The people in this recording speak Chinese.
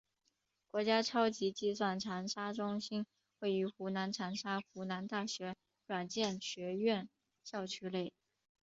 国家超级计算长沙中心位于湖南长沙湖南大学软件学院校区内。